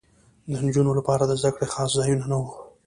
د نجونو لپاره د زدکړې خاص ځایونه نه وو